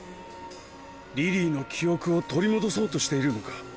リリーの記憶を取り戻そうとしているのか？